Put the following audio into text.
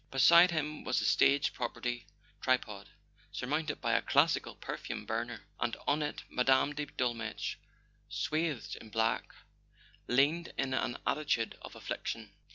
Beside him was a stage property tripod surmounted by a classical perfume burner; and on it Mme. de Dolmetsch, swathed in black, leaned in an attitude of affliction.